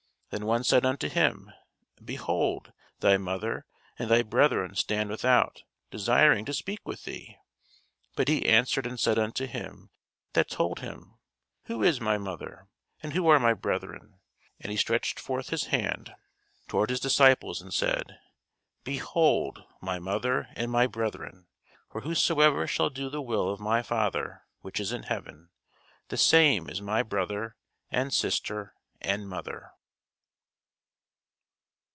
Then one said unto him, Behold, thy mother and thy brethren stand without, desiring to speak with thee. But he answered and said unto him that told him, Who is my mother? and who are my brethren? And he stretched forth his hand toward his disciples, and said, Behold my mother and my brethren! For whosoever shall do the will of my Father which is in heaven, the same is my brother, and sister, and mother.